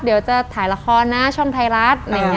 เดี๋ยวจะถ่ายละครนะช่องไทยรัฐ